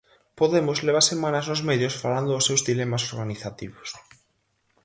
Podemos leva semanas nos medios falando dos seus dilemas organizativos.